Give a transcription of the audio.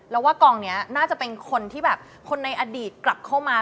แล้วว่ากองนี้น่าจะเป็นคนที่แบบคนในอดีตกลับเข้ามา